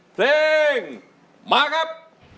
เพลงมาครับ